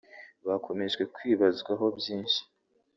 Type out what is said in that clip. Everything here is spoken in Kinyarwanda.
bakomeje kwibazwaho byinshi